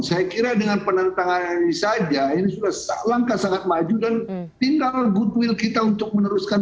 saya kira dengan penentangan ini saja ini sudah langkah sangat maju dan tinggal goodwill kita untuk meneruskan